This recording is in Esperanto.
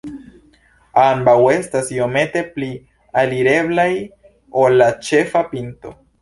Ambaŭ estas iomete pli alireblaj ol la ĉefa pinto.